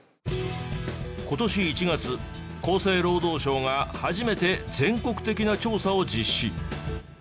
今年１月厚生労働省が初めて全国的な調査を実施。